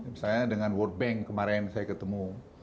misalnya dengan world bank kemarin saya ketemu